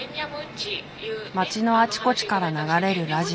町のあちこちから流れるラジオ。